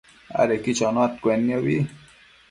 adequi chonuaccuenniobi